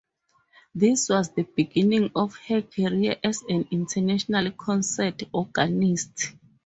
This was the beginning of her career as an international concert organist.